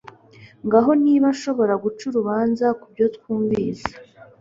Ngaho niba nshobora guca urubanza kubyo twumvise